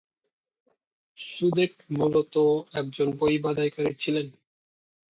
সুদেক মূলত একজন বই বাঁধাইকারী ছিলেন।